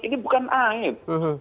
ini bukan aib